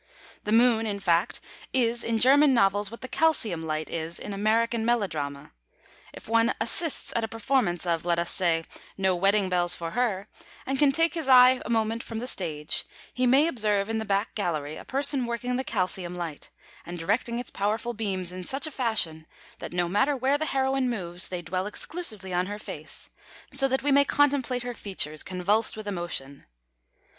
The Moon, in fact, is in German novels what the calcium light is in American melodrama. If one "assists" at a performance of, let us say, No Wedding Bells for Her, and can take his eye a moment from the stage, he may observe up in the back gallery a person working the calcium light, and directing its powerful beams in such a fashion that no matter where the heroine moves, they dwell exclusively on her face, so that we may contemplate her features convulsed with emotion.